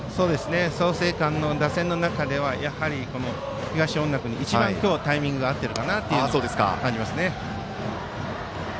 創成館の打線の中では東恩納訓に一番今日タイミングが合ってるかなと感じますね。